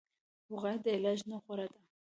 وقایه د علاج نه غوره ده